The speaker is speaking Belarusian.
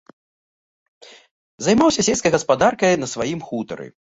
Займаўся сельскай гаспадарскай на сваім хутары.